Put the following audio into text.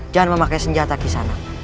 jangan memakai senjata kisanak